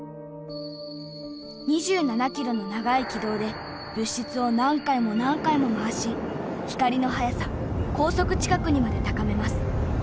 ２７キロの長い軌道で物質を何回も何回も回し光の速さ光速近くにまで高めます。